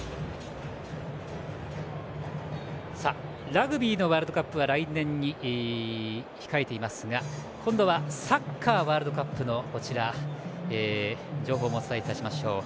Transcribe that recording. ラグビーのワールドカップは来年に控えていますが今度はサッカーワールドカップの情報もお伝えしましょう。